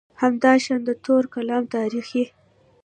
همداشان د توري کلا تاریخي